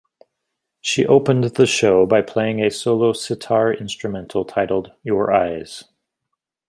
She opened the show by playing a solo sitar instrumental titled "Your Eyes".